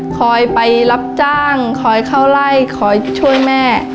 คอยไปรับจ้างคอยเข้าไล่คอยช่วยแม่